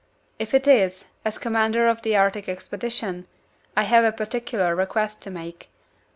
"If it is, as commander of the Arctic expedition, I have a particular request to make.